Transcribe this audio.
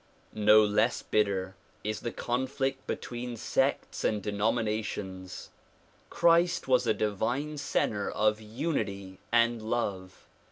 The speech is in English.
No less bitter is the conflict between sects and denominations. Christ was a divine center of unity and love.